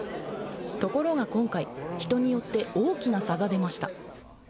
ところが今回、人によって大きな差が出ました。